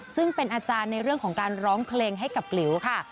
ซึ่งเป็นอาจารย์ในเรื่องของการร้องเพลงให้กับหลิวค่ะ